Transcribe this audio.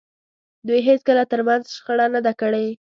دوی هېڅکله تر منځ شخړه نه ده کړې.